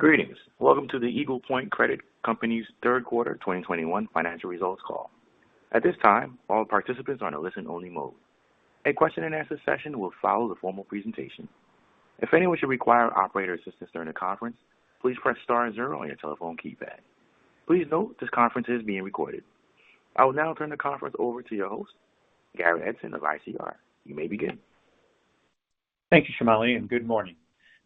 Greetings. Welcome to the Eagle Point Credit Company's third quarter 2021 financial results call. At this time, all participants are in a listen-only mode. A question-and-answer session will follow the formal presentation. If anyone should require operator assistance during the conference, please press star zero on your telephone keypad. Please note this conference is being recorded. I will now turn the conference over to your host, Garrett Edson of ICR. You may begin. Thank you, Shamali, and good morning.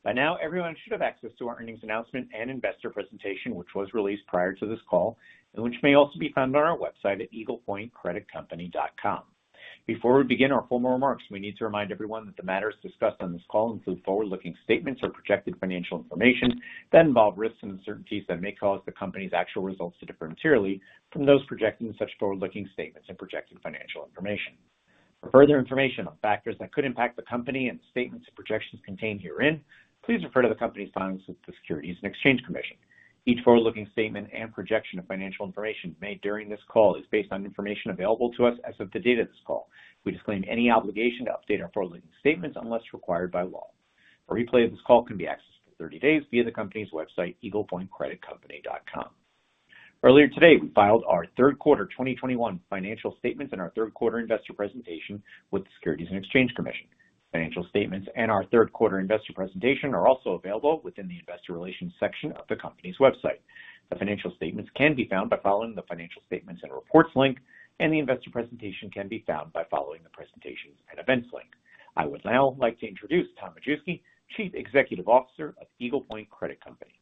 By now, everyone should have access to our earnings announcement and investor presentation, which was released prior to this call and which may also be found on our website at eaglepointcreditcompany.com. Before we begin our formal remarks, we need to remind everyone that the matters discussed on this call include forward-looking statements or projected financial information that involve risks and uncertainties that may cause the company's actual results to differ materially from those projecting such forward-looking statements and projected financial information. For further information on factors that could impact the company and statements and projections contained herein, please refer to the company's filings with the Securities and Exchange Commission. Each forward-looking statement and projection of financial information made during this call is based on information available to us as of the date of this call. We disclaim any obligation to update our forward-looking statements unless required by law. A replay of this call can be accessed for 30 days via the company's website, eaglepointcreditcompany.com. Earlier today, we filed our third quarter 2021 financial statements and our third quarter investor presentation with the Securities and Exchange Commission. Financial statements and our third quarter investor presentation are also available within the Investor Relations section of the company's website. The financial statements can be found by following the Financial Statements & Reports link, and the investor presentation can be found by following the Presentations & Events link. I would now like to introduce Tom Majewski, Chief Executive Officer of Eagle Point Credit Company.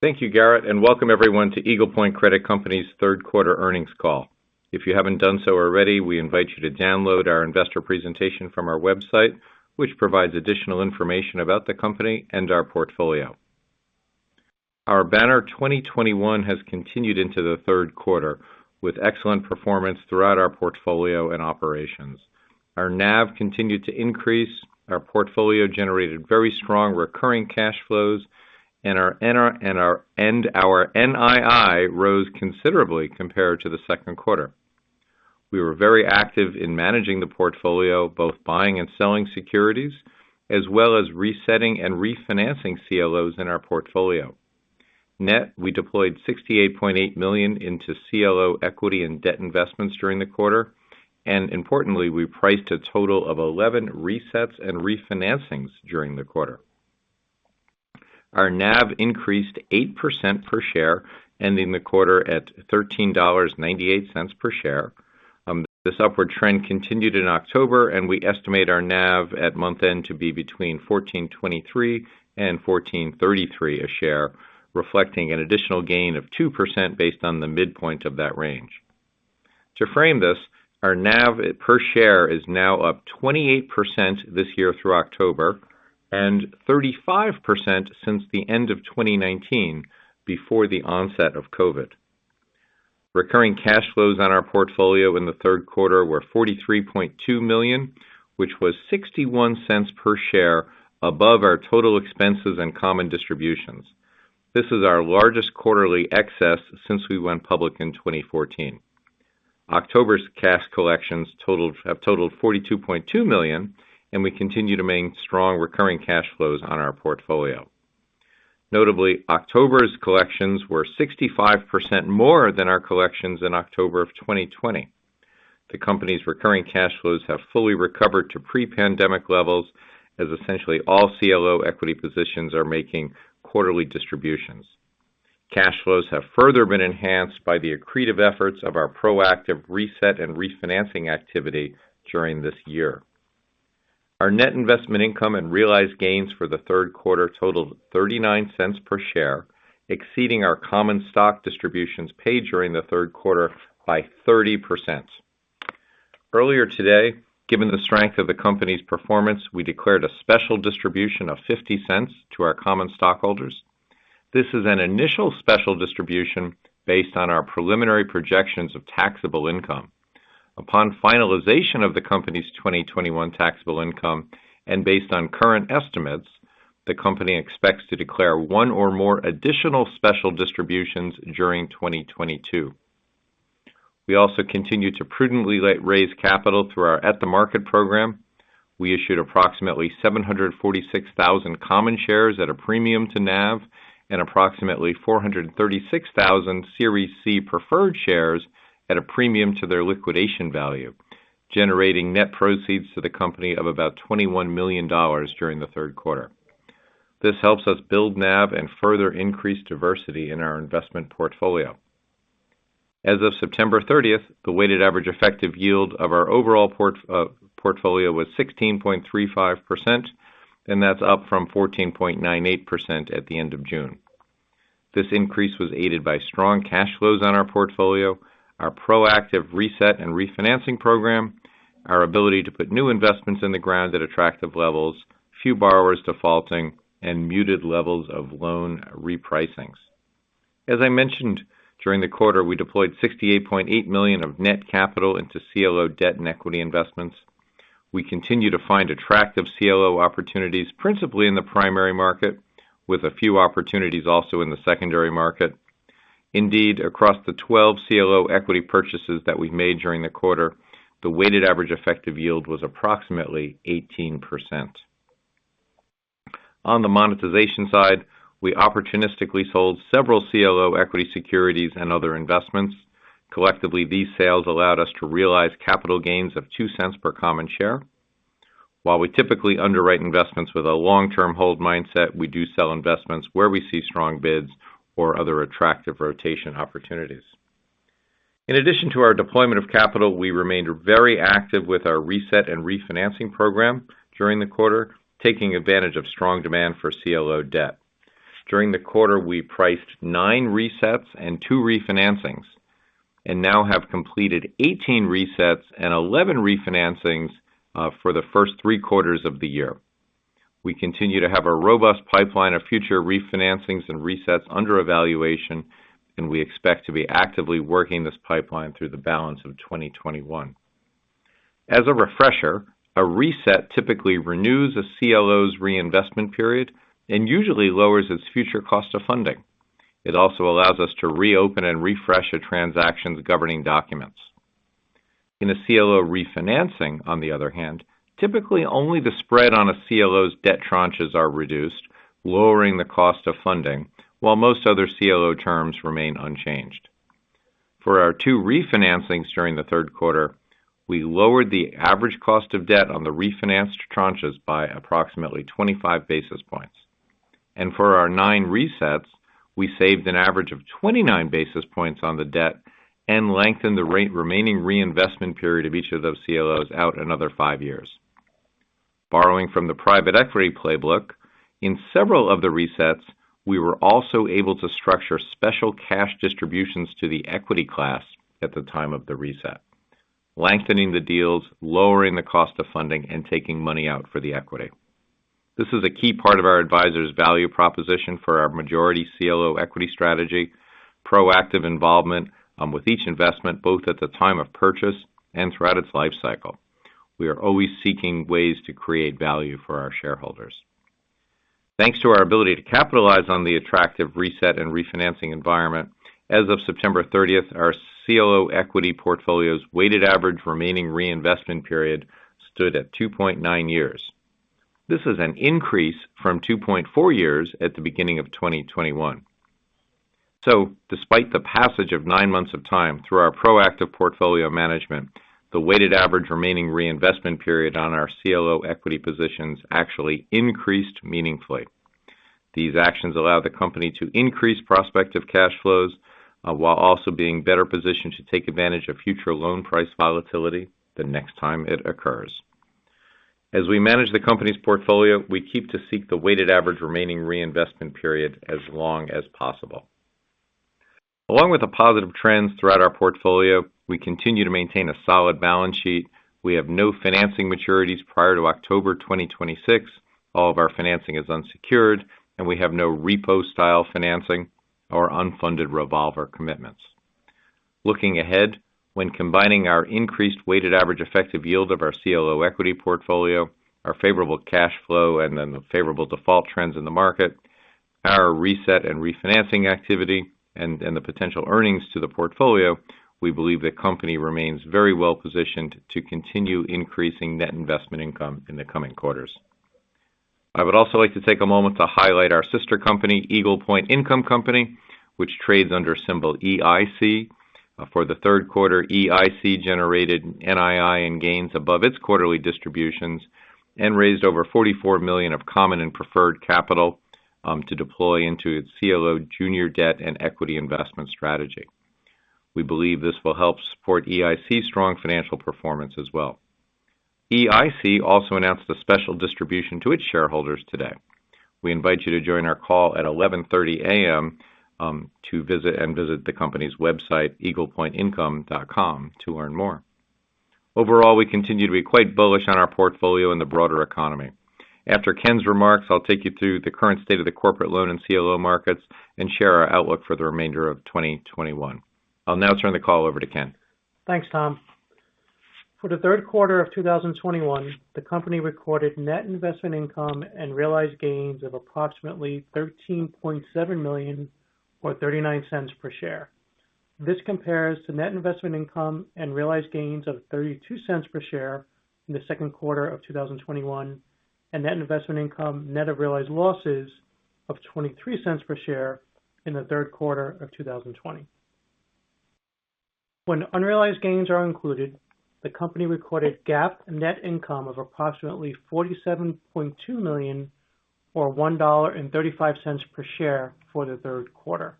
Thank you, Garrett, and welcome everyone to Eagle Point Credit Company's third quarter earnings call. If you haven't done so already, we invite you to download our investor presentation from our website, which provides additional information about the company and our portfolio. Our banner 2021 has continued into the third quarter with excellent performance throughout our portfolio and operations. Our NAV continued to increase. Our portfolio generated very strong recurring cash flows, and our NII rose considerably compared to the second quarter. We were very active in managing the portfolio, both buying and selling securities, as well as resetting and refinancing CLOs in our portfolio. Net, we deployed $68.8 million into CLO equity and debt investments during the quarter, and importantly, we priced a total of 11 resets and refinancings during the quarter. Our NAV increased 8% per share, ending the quarter at $13.98 per share. This upward trend continued in October, and we estimate our NAV at month-end to be between $14.23 and $14.33 a share, reflecting an additional gain of 2% based on the midpoint of that range. To frame this, our NAV per share is now up 28% this year through October and 35% since the end of 2019, before the onset of COVID. Recurring cash flows on our portfolio in the third quarter were $43.2 million, which was 61 cents per share above our total expenses and common distributions. This is our largest quarterly excess since we went public in 2014. October's cash collections have totaled $42.2 million, and we continue to maintain strong recurring cash flows on our portfolio. Notably, October's collections were 65% more than our collections in October of 2020. The company's recurring cash flows have fully recovered to pre-pandemic levels, as essentially all CLO equity positions are making quarterly distributions. Cash flows have further been enhanced by the accretive efforts of our proactive reset and refinancing activity during this year. Our net investment income and realized gains for the third quarter totaled $0.39 per share, exceeding our common stock distributions paid during the third quarter by 30%. Earlier today, given the strength of the company's performance, we declared a special distribution of $0.50 to our common stockholders. This is an initial special distribution based on our preliminary projections of taxable income. Upon finalization of the company's 2021 taxable income and based on current estimates, the company expects to declare one or more additional special distributions during 2022. We also continue to prudently raise capital through our at-the-market program. We issued approximately 746,000 common shares at a premium to NAV and approximately 436,000 Series C preferred shares at a premium to their liquidation value, generating net proceeds to the company of about $21 million during the third quarter. This helps us build NAV and further increase diversity in our investment portfolio. As of September thirtieth, the weighted average effective yield of our overall portfolio was 16.35%, and that's up from 14.98% at the end of June. This increase was aided by strong cash flows on our portfolio, our proactive reset and refinancing program, our ability to put new investments in the ground at attractive levels, few borrowers defaulting, and muted levels of loan repricings. As I mentioned, during the quarter, we deployed $68.8 million of net capital into CLO debt and equity investments. We continue to find attractive CLO opportunities, principally in the primary market, with a few opportunities also in the secondary market. Indeed, across the 12 CLO equity purchases that we've made during the quarter, the weighted average effective yield was approximately 18%. On the monetization side, we opportunistically sold several CLO equity securities and other investments. Collectively, these sales allowed us to realize capital gains of $0.02 per common share. While we typically underwrite investments with a long-term hold mindset, we do sell investments where we see strong bids or other attractive rotation opportunities. In addition to our deployment of capital, we remained very active with our reset and refinancing program during the quarter, taking advantage of strong demand for CLO debt. During the quarter, we priced 9 resets and 2 refinancings, and now have completed 18 resets and 11 refinancings for the first three quarters of the year. We continue to have a robust pipeline of future refinancings and resets under evaluation, and we expect to be actively working this pipeline through the balance of 2021. As a refresher, a reset typically renews a CLO's reinvestment period and usually lowers its future cost of funding. It also allows us to reopen and refresh a transaction's governing documents. In a CLO refinancing, on the other hand, typically only the spread on a CLO's debt tranches are reduced, lowering the cost of funding, while most other CLO terms remain unchanged. For our 2 refinancings during the third quarter, we lowered the average cost of debt on the refinanced tranches by approximately 25 basis points. For our 9 resets, we saved an average of 29 basis points on the debt and lengthened the rate remaining reinvestment period of each of those CLOs out another five years. Borrowing from the private equity playbook, in several of the resets, we were also able to structure special cash distributions to the equity class at the time of the reset, lengthening the deals, lowering the cost of funding, and taking money out for the equity. This is a key part of our advisor's value proposition for our majority CLO equity strategy, proactive involvement with each investment, both at the time of purchase and throughout its life cycle. We are always seeking ways to create value for our shareholders. Thanks to our ability to capitalize on the attractive reset and refinancing environment. As of September 30th, our CLO equity portfolio's weighted average remaining reinvestment period stood at 2.9 years. This is an increase from 2.4 years at the beginning of 2021. Despite the passage of nine months of time through our proactive portfolio management, the weighted average remaining reinvestment period on our CLO equity positions actually increased meaningfully. These actions allow the company to increase prospective cash flows while also being better positioned to take advantage of future loan price volatility the next time it occurs. As we manage the company's portfolio, we seek to keep the weighted average remaining reinvestment period as long as possible. Along with the positive trends throughout our portfolio, we continue to maintain a solid balance sheet. We have no financing maturities prior to October 2026. All of our financing is unsecured, and we have no repo-style financing or unfunded revolver commitments. Looking ahead, when combining our increased weighted average effective yield of our CLO equity portfolio, our favorable cash flow, and then the favorable default trends in the market, our reset and refinancing activity and the potential earnings to the portfolio, we believe the company remains very well-positioned to continue increasing net investment income in the coming quarters. I would also like to take a moment to highlight our sister company, Eagle Point Income Company, which trades under symbol EIC. For the third quarter, EIC generated NII and gains above its quarterly distributions and raised over $44 million of common and preferred capital to deploy into its CLO junior debt and equity investment strategy. We believe this will help support EIC's strong financial performance as well. EIC also announced a special distribution to its shareholders today. We invite you to join our call at 11:30 A.M. to visit the company's website, eaglepointincome.com to learn more. Overall, we continue to be quite bullish on our portfolio in the broader economy. After Ken's remarks, I'll take you through the current state of the corporate loan and CLO markets and share our outlook for the remainder of 2021. I'll now turn the call over to Ken. Thanks, Tom. For the third quarter of 2021, the company recorded net investment income and realized gains of approximately $13.7 million or $0.39 per share. This compares to net investment income and realized gains of $0.32 per share in the second quarter of 2021, and net investment income net of realized losses of $0.23 per share in the third quarter of 2020. When unrealized gains are included, the company recorded GAAP net income of approximately $47.2 million or $1.35 per share for the third quarter.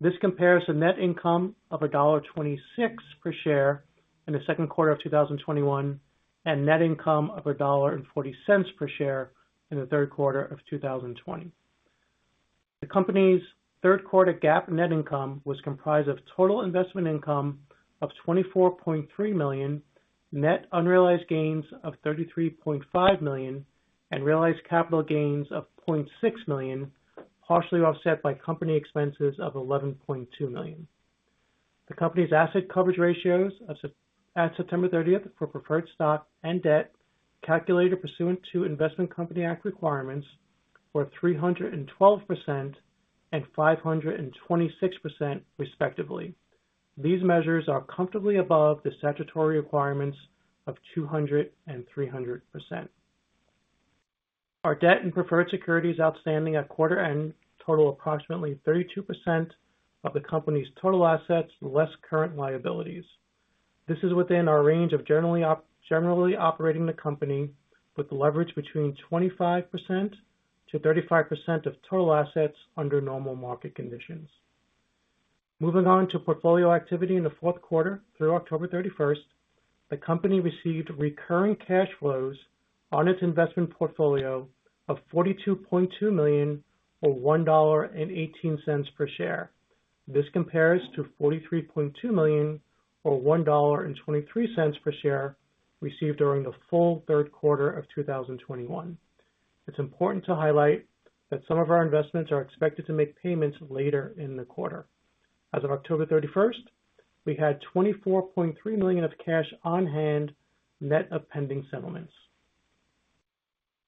This compares to net income of $1.26 per share in the second quarter of 2021 and net income of $1.40 per share in the third quarter of 2020. The company's third quarter GAAP net income was comprised of total investment income of $24.3 million, net unrealized gains of $33.5 million, and realized capital gains of $0.6 million, partially offset by company expenses of $11.2 million. The company's asset coverage ratios as of September 30 for preferred stock and debt calculated pursuant to Investment Company Act requirements were 312% and 526%, respectively. These measures are comfortably above the statutory requirements of 200% and 300%. Our debt and preferred securities outstanding at quarter end total approximately 32% of the company's total assets, less current liabilities. This is within our range of generally operating the company with leverage between 25%-35% of total assets under normal market conditions. Moving on to portfolio activity in the fourth quarter through October 31. The company received recurring cash flows on its investment portfolio of $42.2 million or $1.18 per share. This compares to $43.2 million or $1.23 per share received during the full third quarter of 2021. It's important to highlight that some of our investments are expected to make payments later in the quarter. As of October 31, we had $24.3 million of cash on hand, net of pending settlements.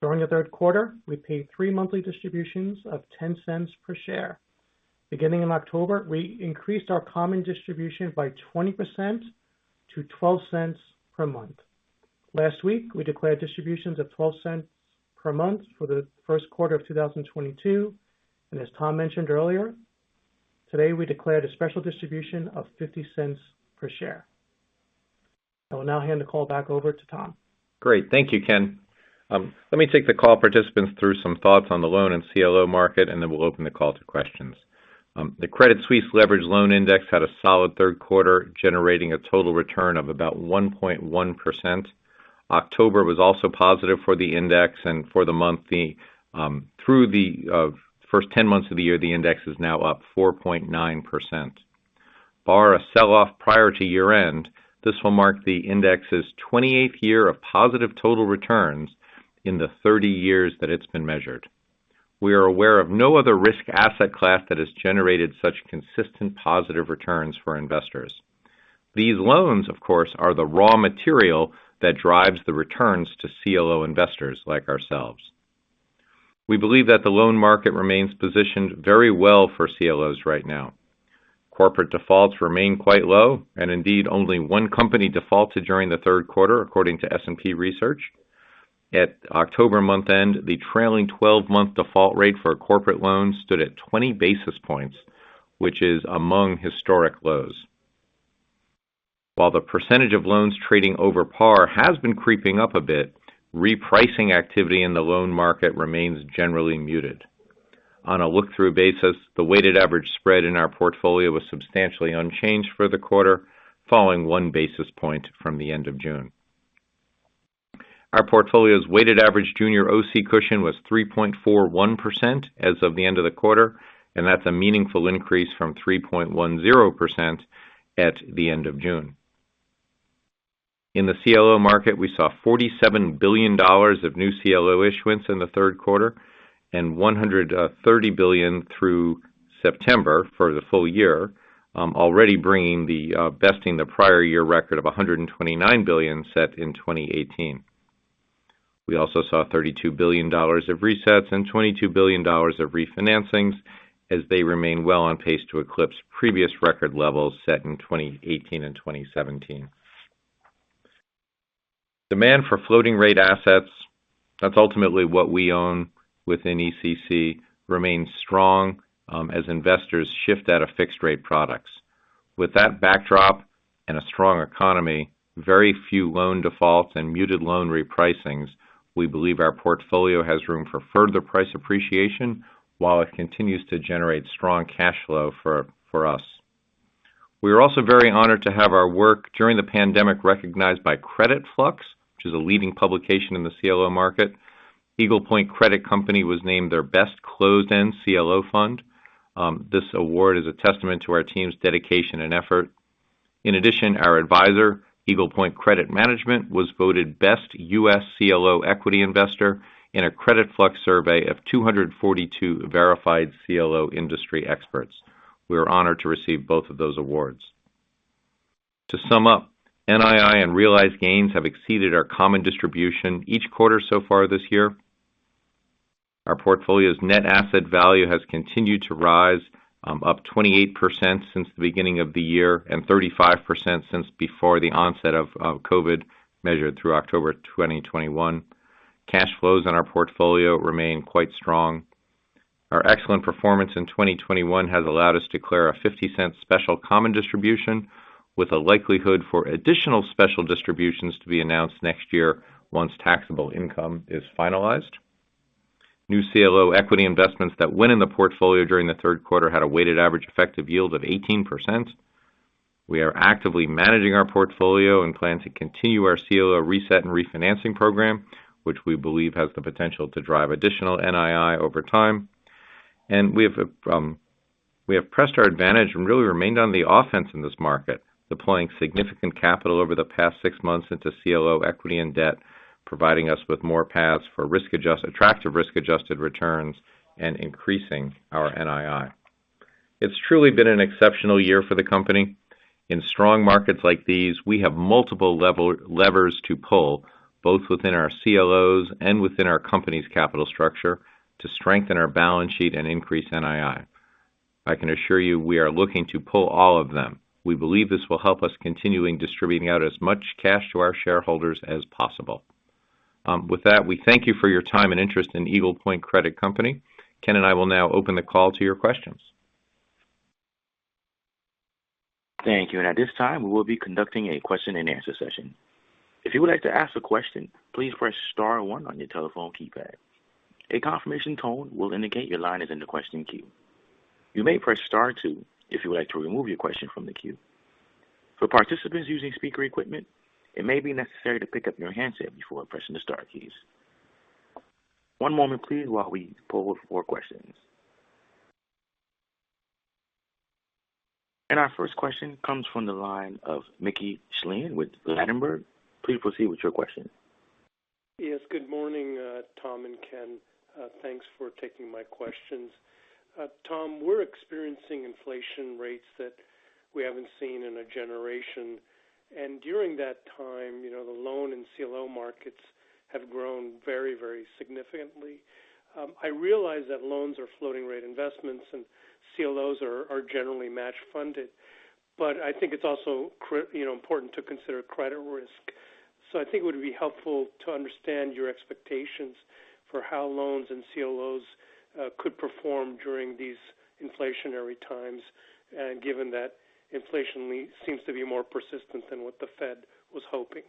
During the third quarter, we paid three monthly distributions of $0.10 per share. Beginning in October, we increased our common distribution by 20% to $0.12 per month. Last week, we declared distributions of $0.12 per month for the first quarter of 2022. As Tom mentioned earlier today, we declared a special distribution of $0.50 per share. I will now hand the call back over to Tom. Great. Thank you, Ken. Let me take the call participants through some thoughts on the loan and CLO market, and then we'll open the call to questions. The Credit Suisse Leveraged Loan Index had a solid third quarter, generating a total return of about 1.1%. October was also positive for the index, and through the first 10 months of the year, the index is now up 4.9%. Barring a sell-off prior to year-end, this will mark the index's 28th year of positive total returns in the 30 years that it's been measured. We are aware of no other risk asset class that has generated such consistent positive returns for investors. These loans, of course, are the raw material that drives the returns to CLO investors like ourselves. We believe that the loan market remains positioned very well for CLOs right now. Corporate defaults remain quite low, and indeed only one company defaulted during the third quarter according to S&P research. At October month end, the trailing 12-month default rate for corporate loans stood at 20 basis points, which is among historic lows. While the percentage of loans trading over par has been creeping up a bit, repricing activity in the loan market remains generally muted. On a look-through basis, the weighted average spread in our portfolio was substantially unchanged for the quarter, falling one basis point from the end of June. Our portfolio's weighted average junior OC cushion was 3.41% as of the end of the quarter, and that's a meaningful increase from 3.10% at the end of June. In the CLO market, we saw $47 billion of new CLO issuance in the third quarter and $130 billion through September for the full year, already bringing the besting the prior year record of $129 billion set in 2018. We also saw $32 billion of resets and $22 billion of refinancings as they remain well on pace to eclipse previous record levels set in 2018 and 2017. Demand for floating rate assets, that's ultimately what we own within ECC, remains strong, as investors shift out of fixed rate products. With that backdrop and a strong economy, very few loan defaults and muted loan repricings, we believe our portfolio has room for further price appreciation while it continues to generate strong cash flow for us. We are also very honored to have our work during the pandemic recognized by Creditflux, which is a leading publication in the CLO market. Eagle Point Credit Company was named their best closed-end CLO fund. This award is a testament to our team's dedication and effort. In addition, our advisor, Eagle Point Credit Management, was voted best U.S. CLO equity investor in a Creditflux survey of 242 verified CLO industry experts. We are honored to receive both of those awards. To sum up, NII and realized gains have exceeded our common distribution each quarter so far this year. Our portfolio's net asset value has continued to rise, up 28% since the beginning of the year and 35% since before the onset of COVID, measured through October 2021. Cash flows in our portfolio remain quite strong. Our excellent performance in 2021 has allowed us to declare a $0.50 special common distribution with a likelihood for additional special distributions to be announced next year once taxable income is finalized. New CLO equity investments that went in the portfolio during the third quarter had a weighted average effective yield of 18%. We are actively managing our portfolio and plan to continue our CLO reset and refinancing program, which we believe has the potential to drive additional NII over time. We have pressed our advantage and really remained on the offense in this market, deploying significant capital over the past 6 months into CLO equity and debt, providing us with more paths for attractive risk-adjusted returns and increasing our NII. It's truly been an exceptional year for the company. In strong markets like these, we have multiple levers to pull, both within our CLOs and within our company's capital structure to strengthen our balance sheet and increase NII. I can assure you, we are looking to pull all of them. We believe this will help us continuing distributing out as much cash to our shareholders as possible. With that, we thank you for your time and interest in Eagle Point Credit Company. Ken and I will now open the call to your questions. Thank you. At this time, we will be conducting a question-and-answer session. If you would like to ask a question, please press star one on your telephone keypad. A confirmation tone will indicate your line is in the question queue. You may press star two if you would like to remove your question from the queue. For participants using speaker equipment, it may be necessary to pick up your handset before pressing the star keys. One moment please while we poll for questions. Our first question comes from the line of Mickey Schleien with Ladenburg. Please proceed with your question. Yes. Good morning, Tom and Ken. Thanks for taking my questions. Tom, we're experiencing inflation rates that we haven't seen in a generation. During that time, you know, the loan and CLO markets have grown very significantly. I realize that loans are floating rate investments and CLOs are generally match funded. I think it's also important to consider credit risk. I think it would be helpful to understand your expectations for how loans and CLOs could perform during these inflationary times, given that inflation seems to be more persistent than what the Fed was hoping.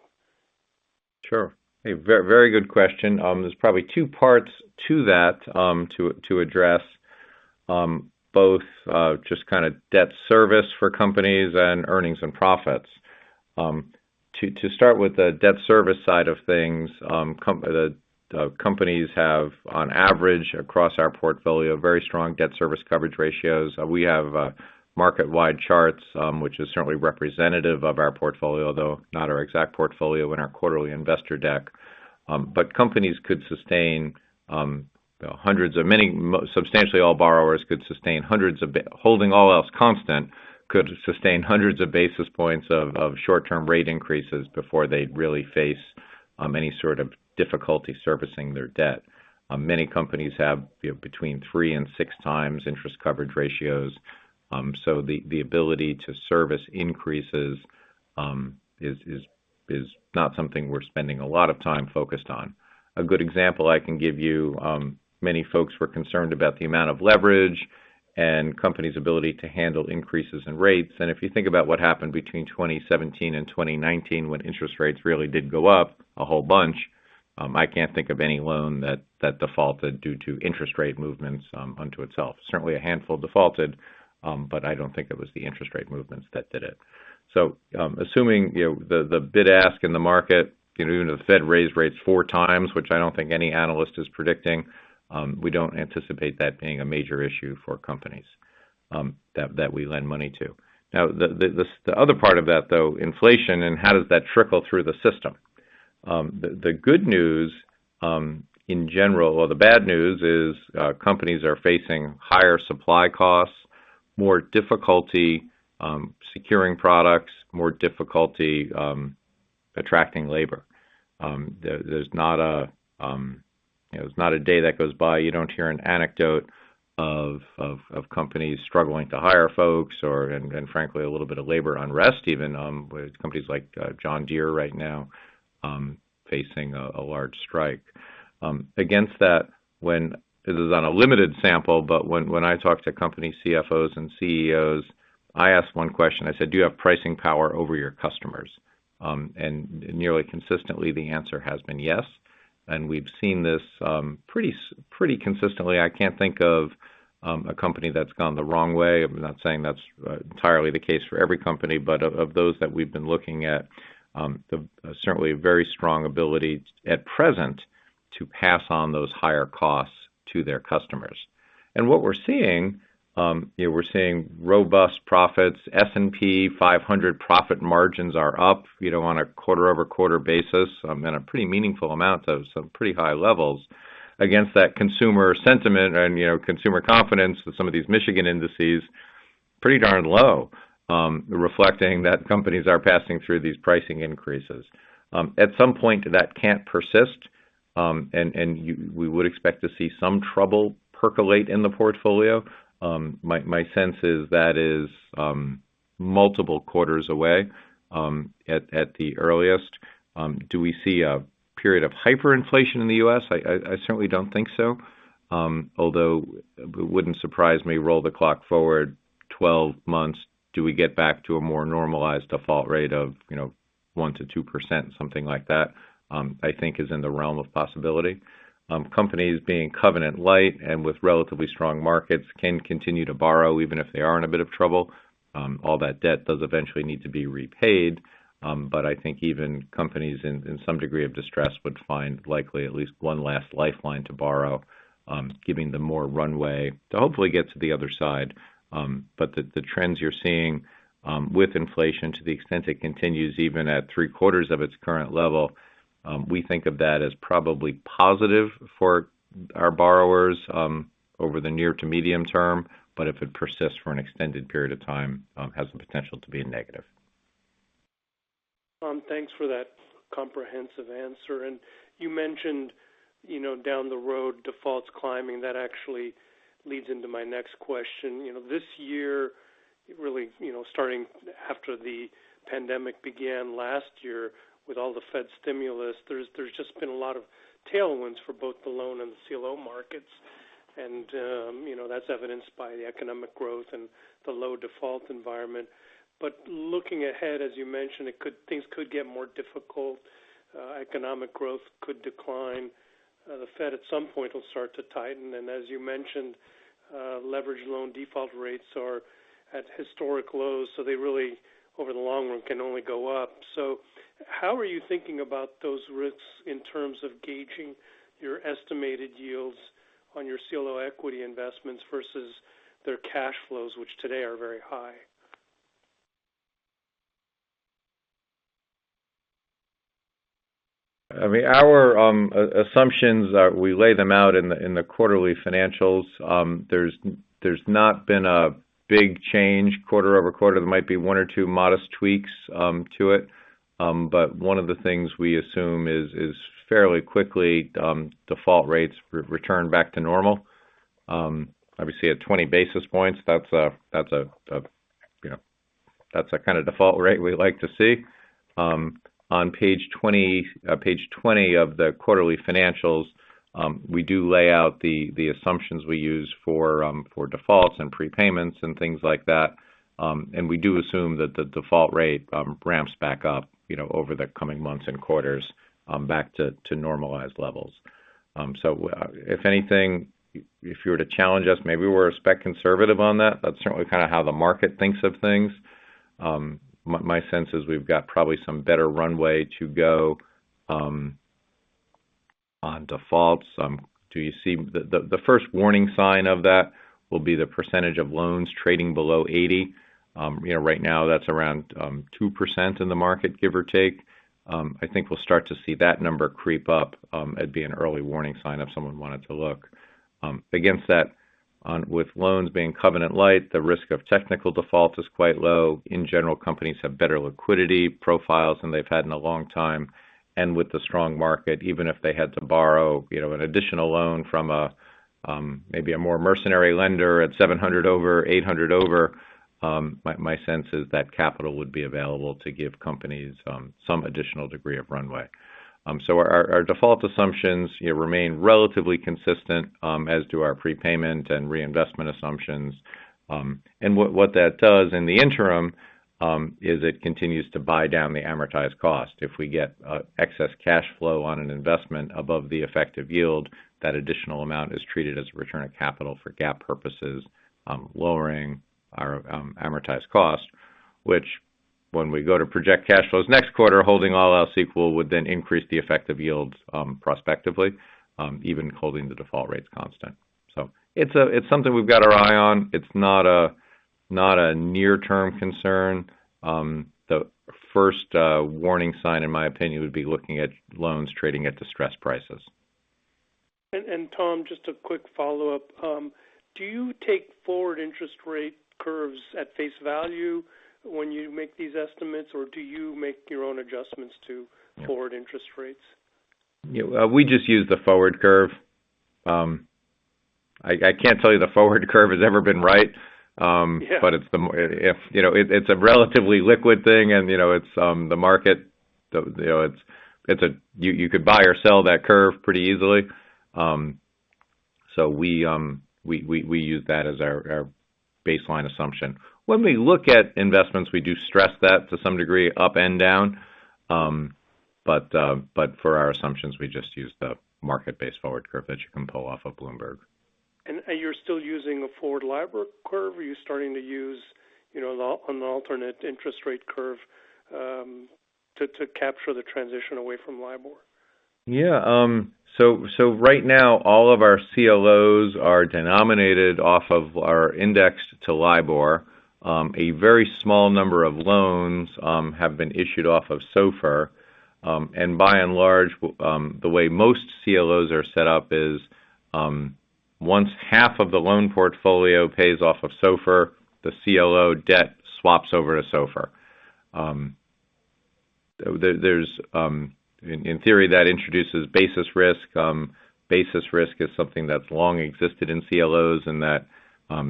Sure. A very, very good question. There's probably two parts to that, to address both just kinda debt service for companies and earnings and profits. To start with the debt service side of things, the companies have on average across our portfolio, very strong debt service coverage ratios. We have market-wide charts, which is certainly representative of our portfolio, although not our exact portfolio in our quarterly investor deck. Substantially all borrowers could sustain hundreds of basis points of short-term rate increases, holding all else constant, before they'd really face any sort of difficulty servicing their debt. Many companies have between three and six times interest coverage ratios. The ability to service increases is not something we're spending a lot of time focused on. A good example I can give you, many folks were concerned about the amount of leverage and the company's ability to handle increases in rates. If you think about what happened between 2017 and 2019 when interest rates really did go up a whole bunch, I can't think of any loan that defaulted due to interest rate movements in and of itself. Certainly a handful defaulted, but I don't think it was the interest rate movements that did it. Assuming, you know, the bid-ask in the market, you know, even if the Fed raised rates four times, which I don't think any analyst is predicting, we don't anticipate that being a major issue for companies that we lend money to. Now, the other part of that, though, inflation and how does that trickle through the system. The good news, in general, or the bad news is, companies are facing higher supply costs, more difficulty securing products, more difficulty attracting labor. There's not a day that goes by you don't hear an anecdote of companies struggling to hire folks or, and frankly, a little bit of labor unrest even, with companies like John Deere right now, facing a large strike. Against that. This is on a limited sample, but when I talk to company CFOs and CEOs, I ask one question. I said, "Do you have pricing power over your customers?" Nearly consistently, the answer has been yes. We've seen this pretty consistently. I can't think of a company that's gone the wrong way. I'm not saying that's entirely the case for every company, but of those that we've been looking at, certainly a very strong ability at present to pass on those higher costs to their customers. What we're seeing robust profits. S&P 500 profit margins are up, you know, on a quarter-over-quarter basis, in a pretty meaningful amount from some pretty high levels against that consumer sentiment and, you know, consumer confidence with some of these Michigan indices pretty darn low, reflecting that companies are passing through these pricing increases. At some point, that can't persist, we would expect to see some trouble percolate in the portfolio. My sense is that it's multiple quarters away, at the earliest. Do we see a period of hyperinflation in the U.S.? I certainly don't think so. Although it wouldn't surprise me, roll the clock forward 12 months, do we get back to a more normalized default rate of, you know, 1%-2%, something like that, I think is in the realm of possibility. Companies being covenant-light and with relatively strong markets can continue to borrow, even if they are in a bit of trouble. All that debt does eventually need to be repaid. I think even companies in some degree of distress would find likely at least one last lifeline to borrow, giving them more runway to hopefully get to the other side. The trends you're seeing with inflation, to the extent it continues even at three-quarters of its current level, we think of that as probably positive for our borrowers over the near to medium term. If it persists for an extended period of time, has the potential to be a negative. Thanks for that comprehensive answer. You mentioned, you know, down the road defaults climbing. That actually leads into my next question. You know, this year, really, you know, starting after the pandemic began last year with all the Fed stimulus, there's just been a lot of tailwinds for both the loan and the CLO markets. You know, that's evidenced by the economic growth and the low default environment. But looking ahead, as you mentioned, things could get more difficult, economic growth could decline. The Fed at some point will start to tighten. As you mentioned, leveraged loan default rates are at historic lows, so they really, over the long run, can only go up. How are you thinking about those risks in terms of gauging your estimated yields on your CLO equity investments versus their cash flows, which today are very high? I mean, our assumptions are we lay them out in the quarterly financials. There's not been a big change quarter-over-quarter. There might be one or two modest tweaks to it. One of the things we assume is fairly quickly default rates return back to normal. Obviously at 20 basis points, that's a kind of default rate we like to see. On page 20 of the quarterly financials, we do lay out the assumptions we use for defaults and prepayments and things like that. We do assume that the default rate ramps back up, you know, over the coming months and quarters back to normalized levels. If anything, if you were to challenge us, maybe we're a speck conservative on that. That's certainly kind of how the market thinks of things. My sense is we've got probably some better runway to go on defaults till you see the first warning sign of that. The first warning sign of that will be the percentage of loans trading below 80. You know, right now that's around 2% in the market, give or take. I think we'll start to see that number creep up. It'd be an early warning sign if someone wanted to look. Against that, with loans being covenant-light, the risk of technical default is quite low. In general, companies have better liquidity profiles than they've had in a long time. With the strong market, even if they had to borrow, you know, an additional loan from a, maybe a more mercenary lender at 700 over, 800 over, my sense is that capital would be available to give companies some additional degree of runway. Our default assumptions, you know, remain relatively consistent, as do our prepayment and reinvestment assumptions. What that does in the interim is it continues to buy down the amortized cost. If we get excess cash flow on an investment above the effective yield, that additional amount is treated as a return of capital for GAAP purposes, lowering our amortized cost. Which when we go to project cash flows next quarter, holding all else equal, would then increase the effective yields prospectively, even holding the default rates constant. It's something we've got our eye on. It's not a near-term concern. The first warning sign, in my opinion, would be looking at loans trading at distressed prices. Tom, just a quick follow-up. Do you take forward interest rate curves at face value when you make these estimates, or do you make your own adjustments to- Yeah. Forward interest rates? We just use the forward curve. I can't tell you the forward curve has ever been right. Yeah. It's a relatively liquid thing and, you know, it's the market. You know, you could buy or sell that curve pretty easily. We use that as our baseline assumption. When we look at investments, we do stress that to some degree up and down. For our assumptions, we just use the market-based forward curve that you can pull off of Bloomberg. You're still using a forward LIBOR curve, or are you starting to use, you know, an alternate interest rate curve, to capture the transition away from LIBOR? Yeah. Right now all of our CLOs are denominated off of our index to LIBOR. A very small number of loans have been issued off of SOFR. By and large, the way most CLOs are set up is, once half of the loan portfolio pays off of SOFR, the CLO debt swaps over to SOFR. In theory, that introduces basis risk. Basis risk is something that's long existed in CLOs, and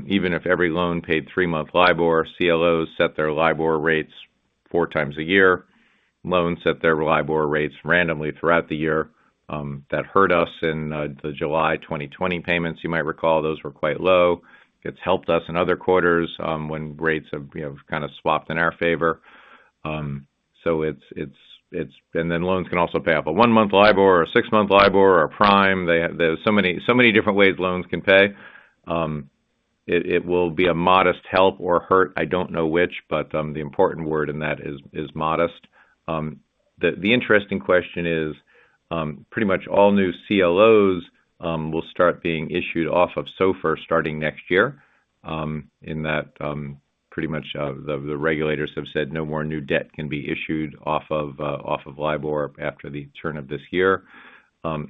even if every loan paid three-month LIBOR, CLOs set their LIBOR rates four times a year. Loans set their LIBOR rates randomly throughout the year. That hurt us in the July 2020 payments. You might recall, those were quite low. It's helped us in other quarters, when rates have, you know, kind of swapped in our favor. Loans can also pay off a one-month LIBOR or a six-month LIBOR or a prime. There are so many different ways loans can pay. It will be a modest help or hurt, I don't know which, the important word in that is modest. The interesting question is, pretty much all new CLOs will start being issued off of SOFR starting next year. In that, pretty much the regulators have said no more new debt can be issued off of LIBOR after the turn of this year.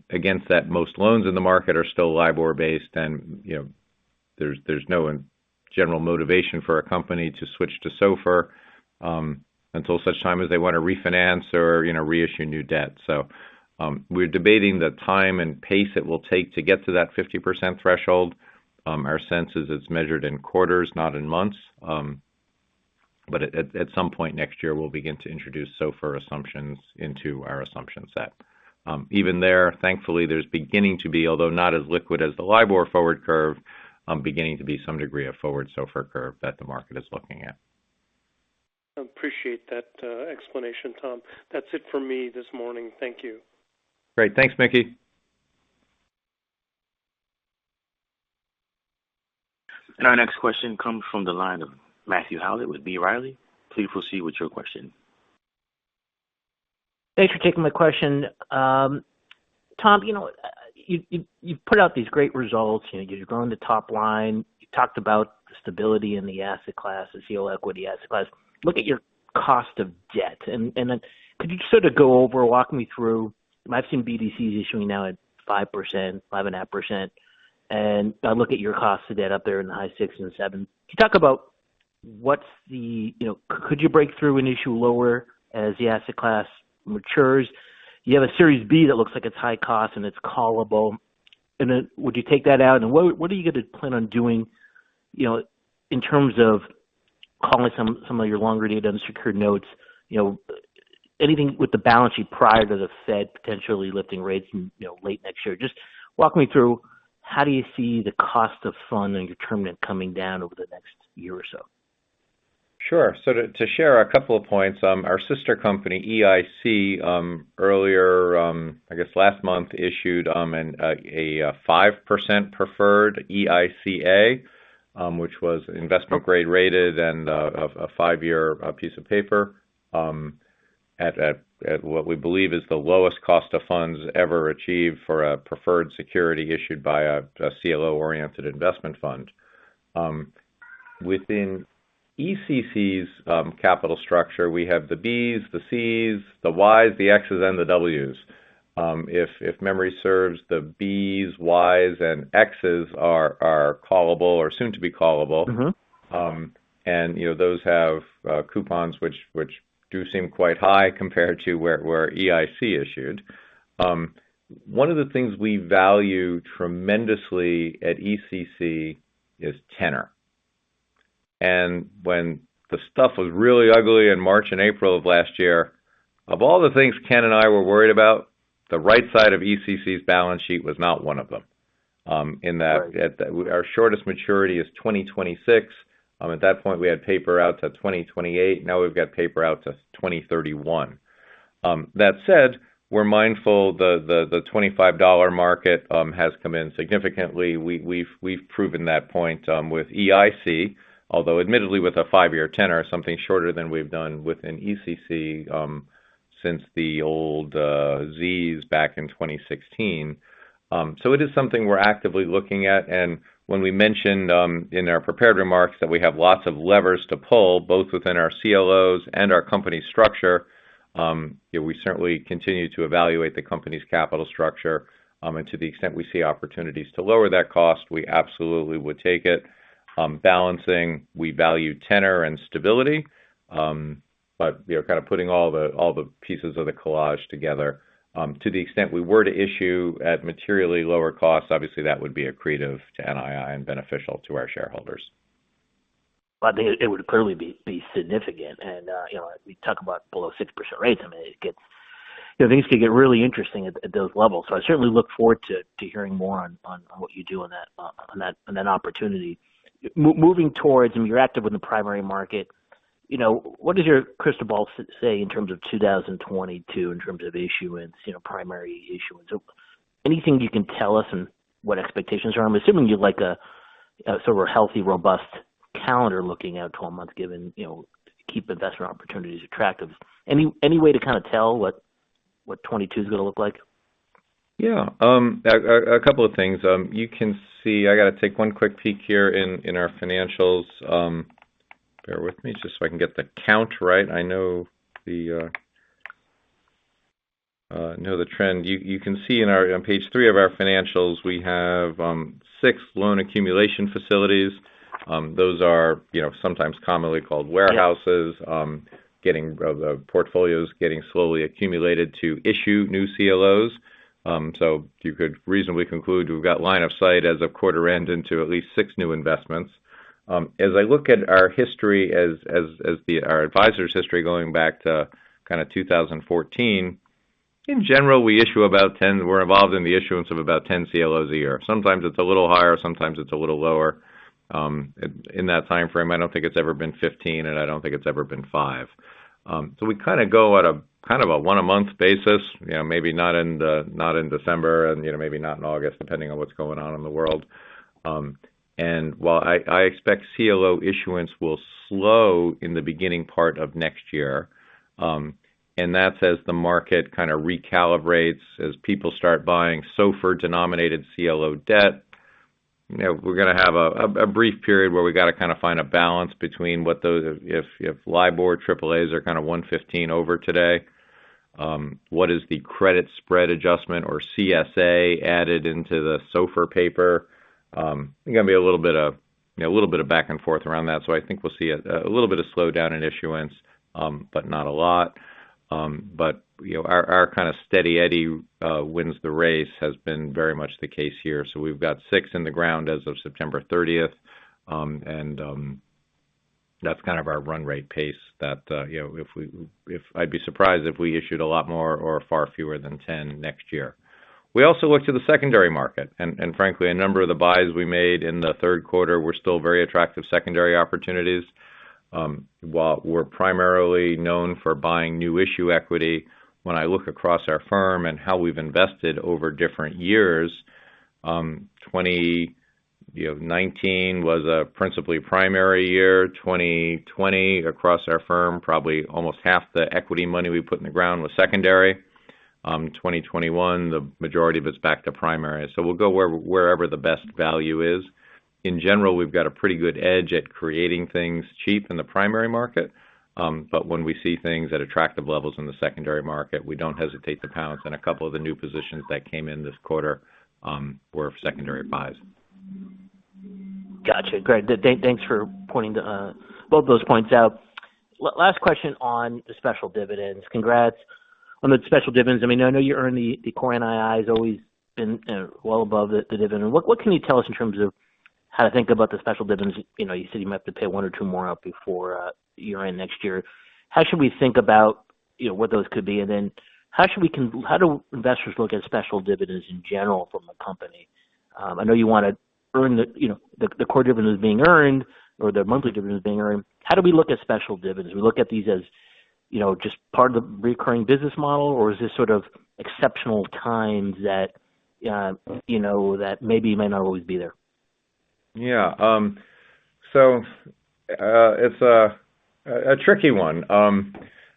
Against that, most loans in the market are still LIBOR-based, and, you know, there's no general motivation for a company to switch to SOFR, until such time as they want to refinance or, you know, reissue new debt. We're debating the time and pace it will take to get to that 50% threshold. Our sense is it's measured in quarters, not in months. At some point next year, we'll begin to introduce SOFR assumptions into our assumption set. Even there, thankfully, there's beginning to be, although not as liquid as the LIBOR forward curve, beginning to be some degree of forward SOFR curve that the market is looking at. I appreciate that, explanation, Tom. That's it for me this morning. Thank you. Great. Thanks, Mickey. Our next question comes from the line of Matthew Howlett with B Riley. Please proceed with your question. Thanks for taking my question. Tom, you know, you put out these great results. You know, you're growing the top line. You talked about the stability in the asset class, the CLO equity asset class. Look at your cost of debt. Then could you sort of go over, walk me through. I've seen BDCs issuing now at 5%, 5.5%. I look at your cost of debt up there in the high 6% and 7%. Can you talk about what's the, you know, could you break through an issue lower as the asset class matures? You have a Series B that looks like it's high cost, and it's callable. Then would you take that out? What are you gonna plan on doing, you know, in terms of calling some of your longer-dated unsecured notes? You know, anything with the balance sheet prior to the Fed potentially lifting rates in, you know, late next year. Just walk me through how do you see the cost of funding your term debt coming down over the next year or so? Sure. To share a couple of points, our sister company, EIC, earlier, I guess last month, issued a 5% preferred EICA, which was investment-grade rated and a five-year piece of paper, at what we believe is the lowest cost of funds ever achieved for a preferred security issued by a CLO-oriented investment fund. Within ECC's capital structure, we have the Bs, the Cs, the Ys, the Xs, and the Ws. If memory serves, the Bs, Ys and Xs are callable or soon to be callable. Mm-hmm. You know, those have coupons which do seem quite high compared to where EIC issued. One of the things we value tremendously at ECC is tenor. When the stuff was really ugly in March and April of last year, of all the things Ken and I were worried about, the right side of ECC's balance sheet was not one of them, in that- Right. Our shortest maturity is 2026. At that point, we had paper out to 2028. Now we've got paper out to 2031. That said, we're mindful the $25 market has come in significantly. We've proven that point with EIC, although admittedly with a five-year tenor or something shorter than we've done within ECC, since the old Zs back in 2016. So it is something we're actively looking at. When we mentioned in our prepared remarks that we have lots of levers to pull, both within our CLOs and our company structure, you know, we certainly continue to evaluate the company's capital structure. To the extent we see opportunities to lower that cost, we absolutely would take it. Balancing, we value tenor and stability. You know, kind of putting all the pieces of the puzzle together, to the extent we were to issue at materially lower cost, obviously that would be accretive to NII and beneficial to our shareholders. It would clearly be significant. You know, we talk about below 6% rates. I mean, it gets you know, things could get really interesting at those levels. I certainly look forward to hearing more on what you do on that opportunity. Moving towards, I mean, you're active in the primary market, you know, what does your crystal ball say in terms of 2022 in terms of issuance, you know, primary issuance? Anything you can tell us on what expectations are. I'm assuming you'd like a sort of a healthy, robust calendar looking out 12 months given, you know, keep investment opportunities attractive. Any way to kind of tell what 2022 is gonna look like? Yeah. A couple of things. You can see. I gotta take one quick peek here in our financials. Bear with me just so I can get the count right. I know the trend. You can see on page three of our financials, we have six loan accumulation facilities. Those are, you know, sometimes commonly called warehouses. Yeah. Getting the portfolios slowly accumulated to issue new CLOs. You could reasonably conclude we've got line of sight as of quarter end into at least 6 new investments. As I look at our history as our advisor's history going back to kinda 2014, in general, we're involved in the issuance of about 10 CLOs a year. Sometimes it's a little higher, sometimes it's a little lower. In that timeframe, I don't think it's ever been 15, and I don't think it's ever been five. We kinda go at a kind of a one-a-month basis. You know, maybe not in December and you know, maybe not in August, depending on what's going on in the world. While I expect CLO issuance will slow in the beginning part of next year, and that's as the market kinda recalibrates, as people start buying SOFR-denominated CLO debt. You know, we're gonna have a brief period where we gotta kinda find a balance between what those. If LIBOR AAAs are kinda 115 over today, what is the credit spread adjustment or CSA added into the SOFR paper? They're gonna be a little bit of, you know, a little bit of back and forth around that. So I think we'll see a little bit of slowdown in issuance, but not a lot. But, you know, our kinda steady eddy wins the race has been very much the case here. So we've got 6 in the ground as of September 30. That's kind of our run rate pace that, you know, if I'd be surprised if we issued a lot more or far fewer than 10 next year. We also look to the secondary market, and frankly, a number of the buys we made in the third quarter were still very attractive secondary opportunities. While we're primarily known for buying new issue equity, when I look across our firm and how we've invested over different years, 2019 was a principally primary year. 2020 across our firm, probably almost half the equity money we put in the ground was secondary. 2021, the majority of it's back to primary. We'll go wherever the best value is. In general, we've got a pretty good edge at creating things cheap in the primary market. When we see things at attractive levels in the secondary market, we don't hesitate to pounce. A couple of the new positions that came in this quarter were secondary buys. Gotcha. Great. Thanks for pointing both those points out. Last question on the special dividends. Congrats on the special dividends. I mean, I know you earn the core NII has always been well above the dividend. What can you tell us in terms of how to think about the special dividends? You know, you said you might have to pay one or two more out before year-end next year. How should we think about what those could be? Then how do investors look at special dividends in general from a company? I know you wanna earn the core dividend is being earned or the monthly dividend is being earned. How do we look at special dividends? We look at these as, you know, just part of the recurring business model, or is this sort of exceptional times that, you know, that maybe may not always be there? Yeah. It's a tricky one.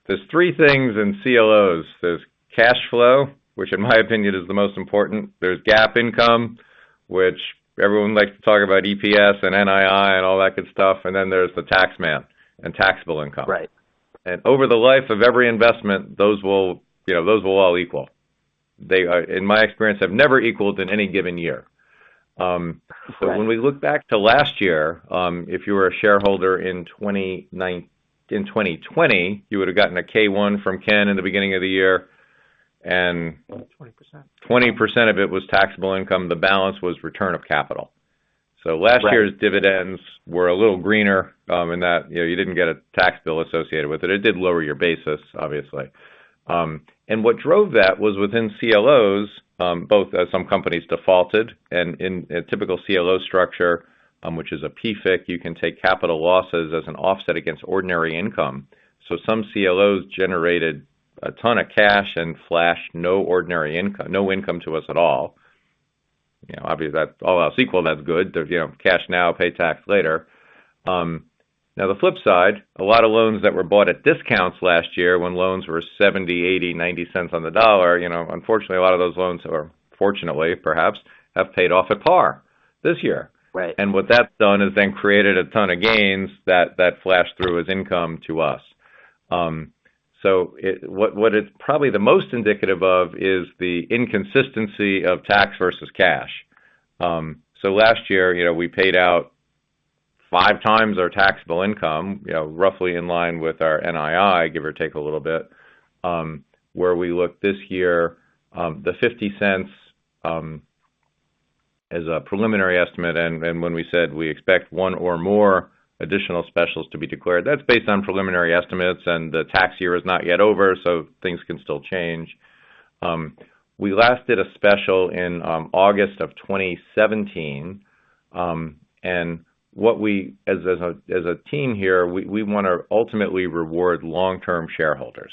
There's three things in CLOs. There's cash flow, which in my opinion is the most important. There's GAAP income, which everyone likes to talk about EPS and NII and all that good stuff, and then there's the tax man and taxable income. Right. Over the life of every investment, those will, you know, all equal. They, in my experience, have never equaled in any given year. Right. When we look back to last year, if you were a shareholder in 2020, you would've gotten a K-1 from Ken in the beginning of the year, and 20%. 20% of it was taxable income. The balance was return of capital. Right. Last year's dividends were a little greener, in that, you know, you didn't get a tax bill associated with it. It did lower your basis, obviously. What drove that was within CLOs, both as some companies defaulted and in a typical CLO structure, which is a PFIC, you can take capital losses as an offset against ordinary income. Some CLOs generated a ton of cash and flashed no ordinary income, no income to us at all. You know, obviously, that's all else equal, that's good. There, you know, cash now, pay tax later. Now the flip side, a lot of loans that were bought at discounts last year when loans were 70, 80, 90 cents on the dollar, you know, unfortunately, a lot of those loans are, fortunately, perhaps, have paid off at par this year. Right. What that's done is then created a ton of gains that flashed through as income to us. What it's probably the most indicative of is the inconsistency of tax versus cash. Last year, you know, we paid out five times our taxable income, you know, roughly in line with our NII, give or take a little bit. When we look this year, the $0.50, as a preliminary estimate, and when we said we expect one or more additional specials to be declared. That's based on preliminary estimates, and the tax year is not yet over, so things can still change. We last did a special in August of 2017. What we as a team here, we wanna ultimately reward long-term shareholders.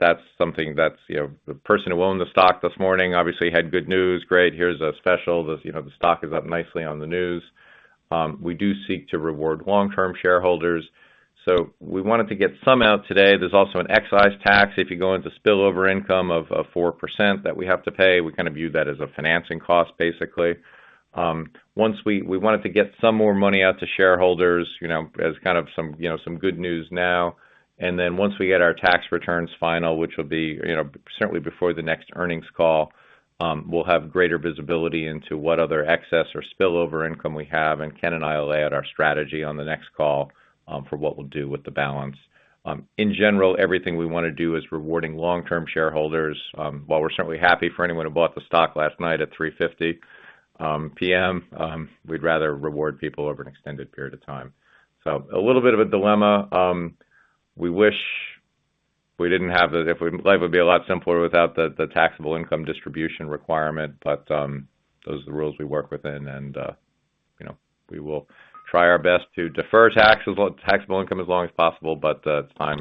That's something that's, you know, the person who owned the stock this morning obviously had good news. Great, here's a special. This, you know, the stock is up nicely on the news. We do seek to reward long-term shareholders. We wanted to get some out today. There's also an excise tax if you go into spillover income of 4% that we have to pay. We kinda view that as a financing cost, basically. We wanted to get some more money out to shareholders, you know, as kind of some, you know, some good news now. Once we get our tax returns final, which will be, you know, certainly before the next earnings call, we'll have greater visibility into what other excess or spillover income we have, and Ken and I will lay out our strategy on the next call, for what we'll do with the balance. In general, everything we wanna do is rewarding long-term shareholders. While we're certainly happy for anyone who bought the stock last night at $3.50, we'd rather reward people over an extended period of time. A little bit of a dilemma. We wish we didn't have the... Life would be a lot simpler without the taxable income distribution requirement, but those are the rules we work within and, you know, we will try our best to defer taxable income as long as possible, but it's time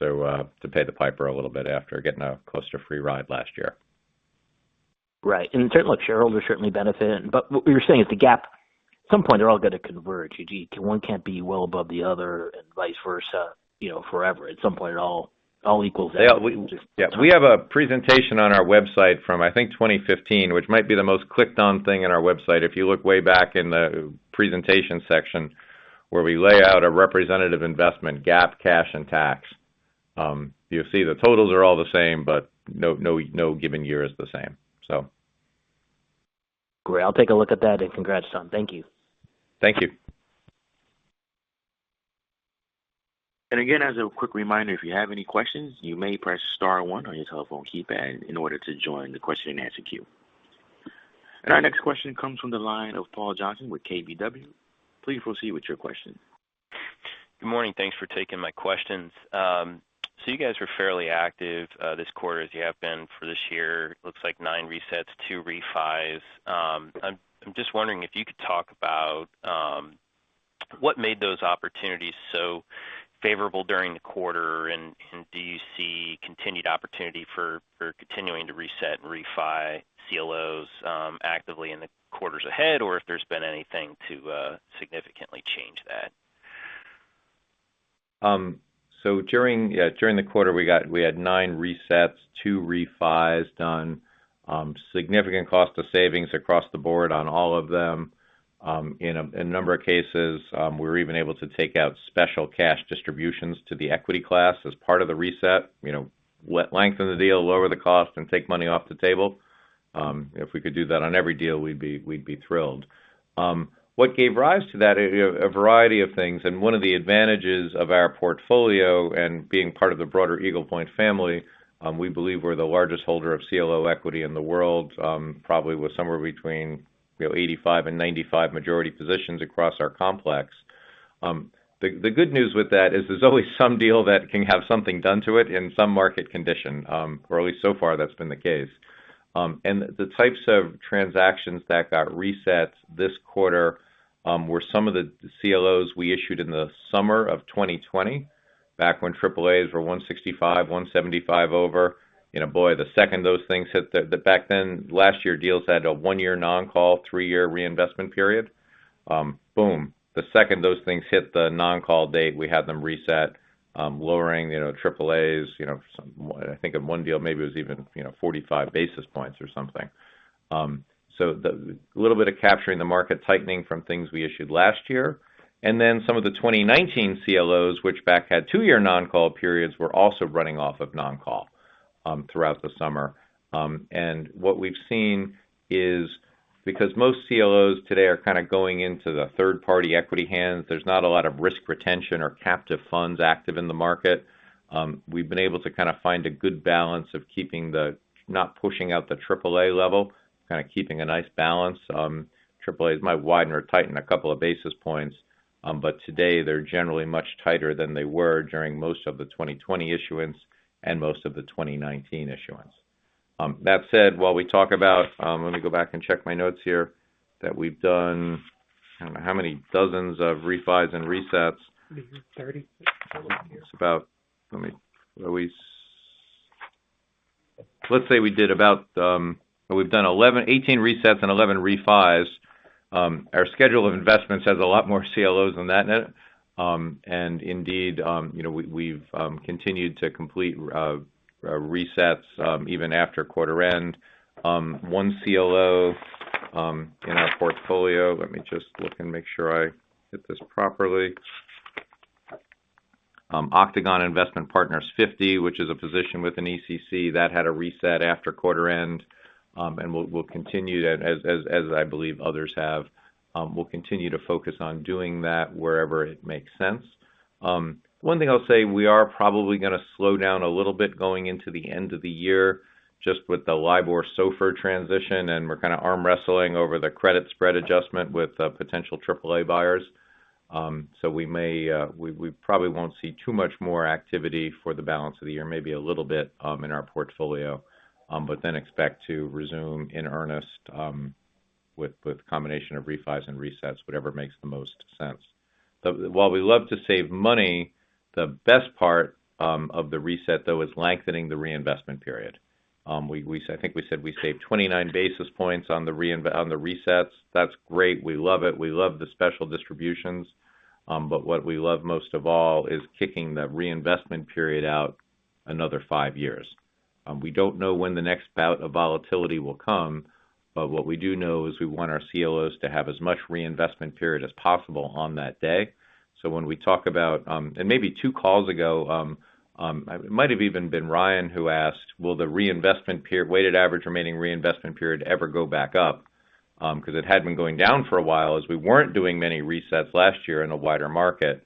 to pay the piper a little bit after getting a close to free ride last year. Right. Certainly, shareholders certainly benefit. What you're saying is, at some point, they're all gonna converge. One can't be well above the other and vice versa, you know, forever. At some point, it all equals out. Yeah. We have a presentation on our website from, I think, 2015, which might be the most clicked-on thing in our website. If you look way back in the presentation section where we lay out a representative investment gap, cash, and tax, you'll see the totals are all the same, but no given year is the same. Great. I'll take a look at that. Congrats, Tom. Thank you. Thank you. Again, as a quick reminder, if you have any questions, you may press star one on your telephone keypad in order to join the question-and-answer queue. Our next question comes from the line of Paul Johnson with KBW. Please proceed with your question. Good morning. Thanks for taking my questions. You guys were fairly active this quarter as you have been for this year. Looks like 9 resets, 2 refis. I'm just wondering if you could talk about what made those opportunities so favorable during the quarter and do you see continued opportunity for continuing to reset and refi CLOs actively in the quarters ahead, or if there's been anything to significantly change that? During the quarter we had 9 resets, 2 refis done. Significant cost savings across the board on all of them. In a number of cases, we were even able to take out special cash distributions to the equity class as part of the reset. You know, lengthen the deal, lower the cost, and take money off the table. If we could do that on every deal, we'd be thrilled. What gave rise to that, you know, a variety of things. One of the advantages of our portfolio and being part of the broader Eagle Point family, we believe we're the largest holder of CLO equity in the world, probably with somewhere between 85-95 majority positions across our complex. The good news with that is there's always some deal that can have something done to it in some market condition. At least so far that's been the case. The types of transactions that got reset this quarter were some of the CLOs we issued in the summer of 2020, back when AAAs were 165-175 over. You know, boy, the second those things hit the back then, last year deals had a one-year non-call, three-year reinvestment period. Boom. The second those things hit the non-call date, we had them reset, lowering, you know, AAAs, you know, some. I think in one deal, maybe it was even, you know, 45 basis points or something. The little bit of capturing the market tightening from things we issued last year. Some of the 2019 CLOs, which back had two-year non-call periods, were also running off of non-call throughout the summer. What we've seen is because most CLOs today are kind of going into the third-party equity hands, there's not a lot of risk retention or captive funds active in the market. We've been able to kind of find a good balance of not pushing out the AAA level, kind of keeping a nice balance. AAAs might widen or tighten a couple of basis points. Today they're generally much tighter than they were during most of the 2020 issuance and most of the 2019 issuance. That said, while we talk about, let me go back and check my notes here, that we've done, I don't know how many dozens of refis and resets. Maybe 30. Let's say we did about. We've done 18 resets and 11 refis. Our schedule of investments has a lot more CLOs than that net. And indeed, you know, we've continued to complete resets even after quarter end. One CLO in our portfolio. Let me just look and make sure I hit this properly. Octagon Credit Investors 50, which is a position with an ECC, that had a reset after quarter end. And we'll continue to, as I believe others have, we'll continue to focus on doing that wherever it makes sense. One thing I'll say, we are probably gonna slow down a little bit going into the end of the year just with the LIBOR SOFR transition, and we're kind of arm wrestling over the credit spread adjustment with the potential AAA buyers. So we may, we probably won't see too much more activity for the balance of the year, maybe a little bit in our portfolio. Then expect to resume in earnest, with combination of refis and resets, whatever makes the most sense. While we love to save money, the best part of the reset though is lengthening the reinvestment period. So I think we said we saved 29 basis points on the resets. That's great. We love it. We love the special distributions. What we love most of all is kicking the reinvestment period out another five years. We don't know when the next bout of volatility will come, but what we do know is we want our CLOs to have as much reinvestment period as possible on that day. When we talk about, maybe two calls ago, it might have even been Ryan who asked, "Will the reinvestment period weighted average remaining reinvestment period ever go back up?" Because it had been going down for a while, as we weren't doing many resets last year in a wider market.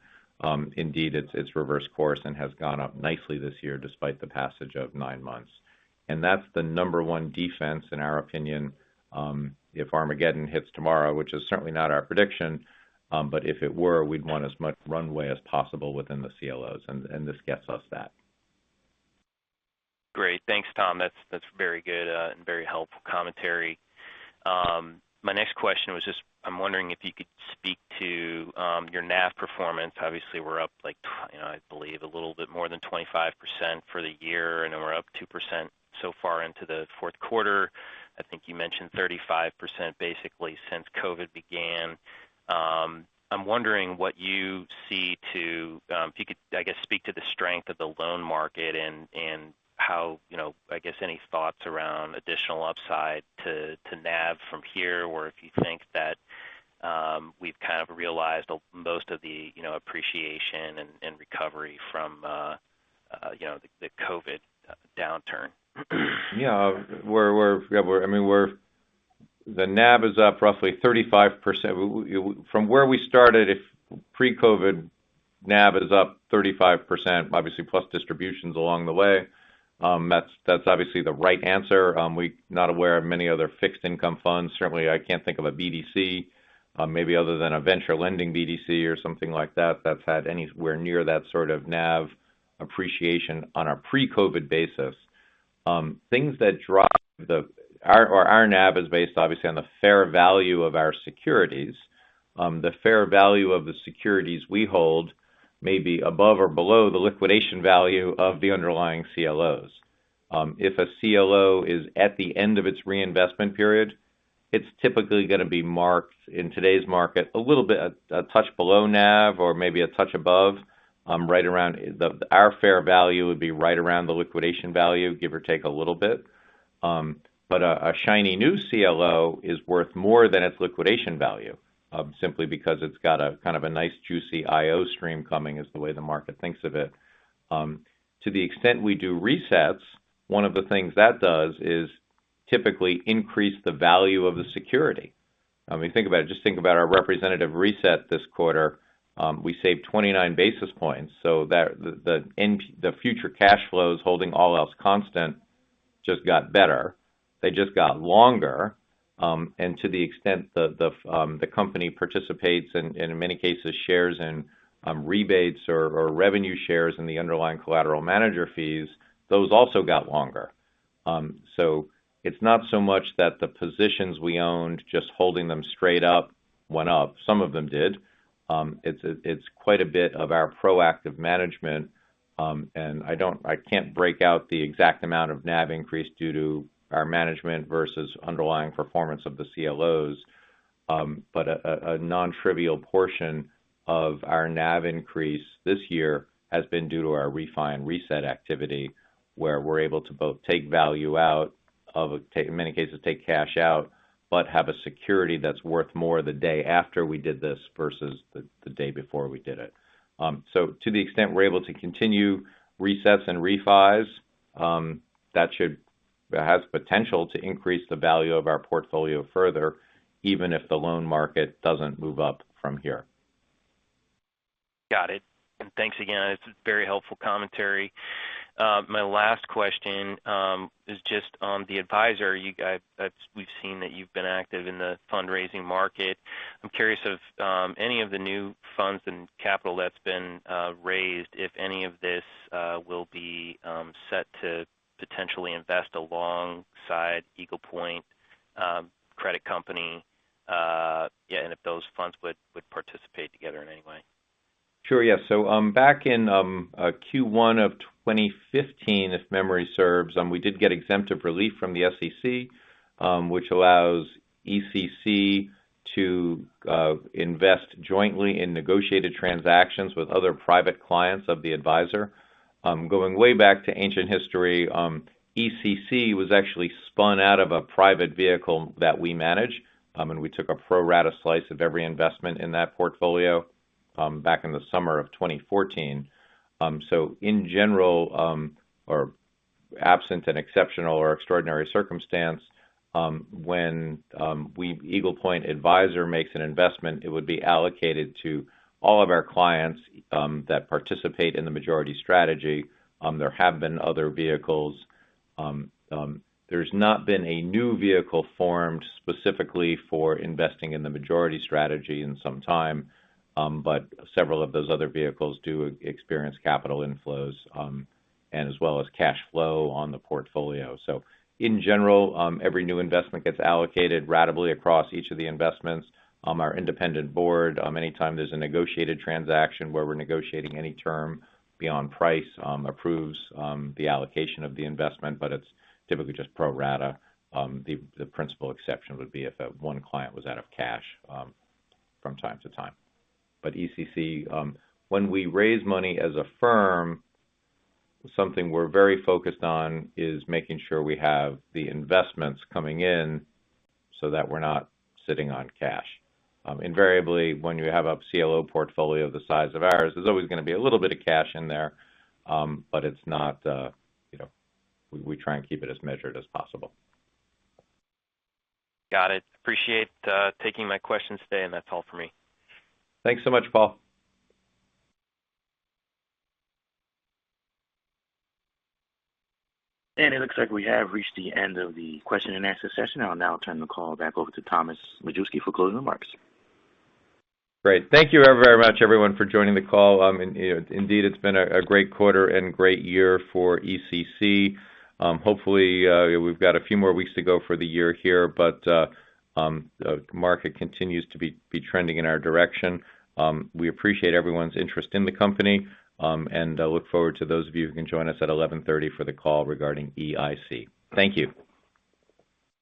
Indeed, it's reversed course and has gone up nicely this year despite the passage of 9 months. That's the number one defense, in our opinion, if Armageddon hits tomorrow, which is certainly not our prediction. If it were, we'd want as much runway as possible within the CLOs, and this gets us that. Great. Thanks, Tom. That's very good and very helpful commentary. My next question was just I'm wondering if you could speak to your NAV performance. Obviously, we're up like you know, I believe a little bit more than 25% for the year, and then we're up 2% so far into the fourth quarter. I think you mentioned 35% basically since COVID began. I'm wondering what you see, too. If you could, I guess, speak to the strength of the loan market and how, you know, I guess, any thoughts around additional upside to NAV from here, or if you think that we've kind of realized most of the, you know, appreciation and recovery from the COVID downturn. Yeah. I mean, the NAV is up roughly 35%. From where we started, if pre-COVID NAV is up 35%, obviously plus distributions along the way, that's obviously the right answer. We're not aware of many other fixed income funds. Certainly, I can't think of a BDC, maybe other than a venture lending BDC or something like that's had anywhere near that sort of NAV appreciation on a pre-COVID basis. Our NAV is based obviously on the fair value of our securities. The fair value of the securities we hold may be above or below the liquidation value of the underlying CLOs. If a CLO is at the end of its reinvestment period, it's typically gonna be marked in today's market a little bit, a touch below NAV or maybe a touch above, right around. Our fair value would be right around the liquidation value, give or take a little bit. But a shiny new CLO is worth more than its liquidation value, simply because it's got a kind of a nice juicy IO stream coming, is the way the market thinks of it. To the extent we do resets, one of the things that does is typically increase the value of the security. I mean, think about it. Just think about our representative reset this quarter. We saved 29 basis points, so that the future cash flows, holding all else constant, just got better. They just got longer. To the extent the company participates in many cases shares in rebates or revenue shares in the underlying collateral manager fees, those also got longer. It's not so much that the positions we owned, just holding them straight up went up. Some of them did. It's quite a bit of our proactive management, and I can't break out the exact amount of NAV increase due to our management versus underlying performance of the CLOs. A non-trivial portion of our NAV increase this year has been due to our refi and reset activity, where we're able to both take value out of in many cases, take cash out, but have a security that's worth more the day after we did this versus the day before we did it. To the extent we're able to continue resets and refis, it has potential to increase the value of our portfolio further, even if the loan market doesn't move up from here. Got it. Thanks again. That's a very helpful commentary. My last question is just on the advisor. We've seen that you've been active in the fundraising market. I'm curious if any of the new funds and capital that's been raised, if any of this will be set to potentially invest alongside Eagle Point Credit Company. Yeah, and if those funds would participate together in any way. Sure, yeah. Back in Q1 of 2015, if memory serves, we did get exemptive relief from the SEC, which allows ECC to invest jointly in negotiated transactions with other private clients of the advisor. Going way back to ancient history, ECC was actually spun out of a private vehicle that we manage, and we took a pro rata slice of every investment in that portfolio, back in the summer of 2014. In general, or absent an exceptional or extraordinary circumstance, when Eagle Point advisor makes an investment, it would be allocated to all of our clients that participate in the majority strategy. There have been other vehicles. There's not been a new vehicle formed specifically for investing in the majority strategy in some time. Several of those other vehicles do experience capital inflows, and as well as cash flow on the portfolio. In general, every new investment gets allocated ratably across each of the investments. Our independent board, anytime there's a negotiated transaction where we're negotiating any term beyond price, approves the allocation of the investment, but it's typically just pro rata. The principal exception would be if one client was out of cash from time to time. ECC, when we raise money as a firm, something we're very focused on is making sure we have the investments coming in so that we're not sitting on cash. Invariably, when you have a CLO portfolio the size of ours, there's always gonna be a little bit of cash in there, but it's not, you know. We try and keep it as measured as possible. Got it. I appreciate taking my questions today, and that's all for me. Thanks so much, Paul. It looks like we have reached the end of the question and answer session. I'll now turn the call back over to Thomas Majewski for closing remarks. Great. Thank you very much everyone for joining the call. You know, indeed, it's been a great quarter and great year for ECC. Hopefully, we've got a few more weeks to go for the year here, but the market continues to be trending in our direction. We appreciate everyone's interest in the company, and I look forward to those of you who can join us at 11:30 A.M. for the call regarding EIC. Thank you.